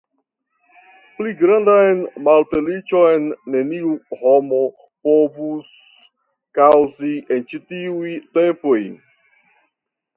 Pli grandan malfeliĉon neniu homo povus kaŭzi en ĉi tiuj tempoj.